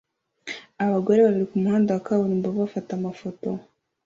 Abagore babiri kumuhanda wa kaburimbo bafata amafoto